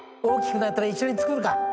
大きくなったら一緒に作るか。